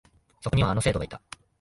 そこには、あの生徒がいた。